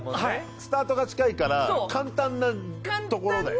スタートが近いから簡単なところだよね。